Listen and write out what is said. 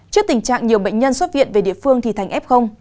trước tình trạng nhiều bệnh nhân xuất viện về địa phương thì thành f